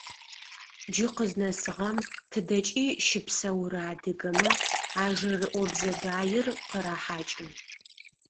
Джы къызнэсыгъэм тыдэкӏи щыпсэурэ адыгэмэ а жэрыӏобзэ баир къырахьакӏы.